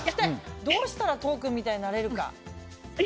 どうしたら都央君みたいになれるか。